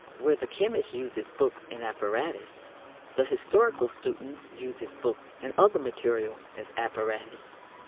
Where the chemist uses books and apparatus, the historical student uses books and other material as apparatus.